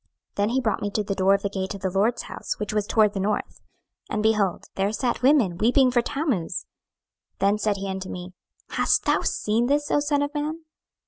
26:008:014 Then he brought me to the door of the gate of the LORD's house which was toward the north; and, behold, there sat women weeping for Tammuz. 26:008:015 Then said he unto me, Hast thou seen this, O son of man?